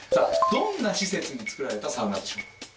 どんな施設に作られたサウナでしょう。